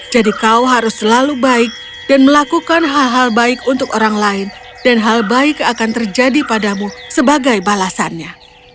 jadi kau harus selalu baik dan melakukan hal hal baik untuk orang lain dan hal baik akan terjadi padamu sebagai balasannya